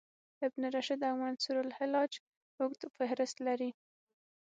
ابن رشد او منصورحلاج اوږد فهرست لري.